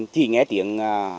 chỉ nghe tiếng